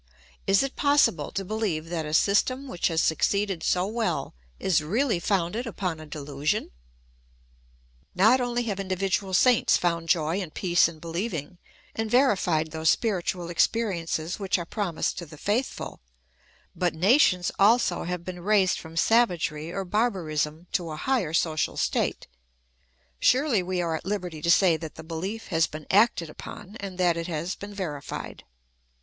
Is it possible to beheve that a system which has succeeded so well is really founded upon a delusion ? Not only have individual saints found joy and peace in beheving, and verified those spiritual ex periences which are promised to the faithful, but nations also have been raised from savagery or barbarism to a higher social state. Surely we are at hberty to say that the belief has been acted upon, and that it has been verified.